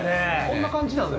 こんな感じなん？